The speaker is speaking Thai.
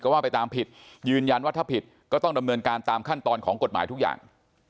ว่าไปตามผิดยืนยันว่าถ้าผิดก็ต้องดำเนินการตามขั้นตอนของกฎหมายทุกอย่าง